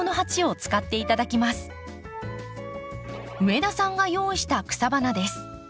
上田さんが用意した草花です。